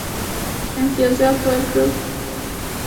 امتیازات ورکړل.